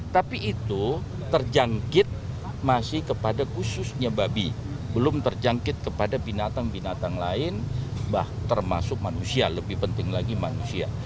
tapi itu terjangkit masih kepada khususnya babi belum terjangkit kepada binatang binatang lain termasuk manusia lebih penting lagi manusia